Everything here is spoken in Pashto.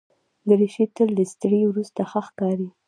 دریشي تل له استري وروسته ښه ښکاري.